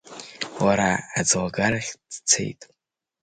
Лара аӡлагарахь дцеит.